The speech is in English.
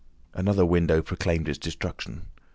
Another window proclaimed its destruction.